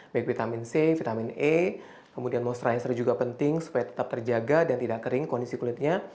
baik vitamin c vitamin e kemudian monsterizer juga penting supaya tetap terjaga dan tidak kering kondisi kulitnya